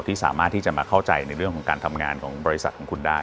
ที่สามารถที่จะมาเข้าใจในเรื่องของการทำงานของบริษัทของคุณได้